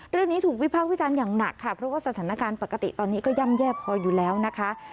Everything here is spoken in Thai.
เรื่องนี้ถูกวิภาควิจารณ์อย่างหนักค่ะเพราะว่าสถานการณ์ปกติตอนนี้ก็ย่ำแย่พออยู่แล้วนะคะ